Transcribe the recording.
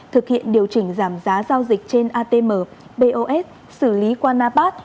thực hiện điều chỉnh giảm giá giao dịch trên atm pos xử lý qua napat